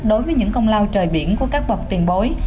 đối với những công lao trời biển của các bậc tiền bối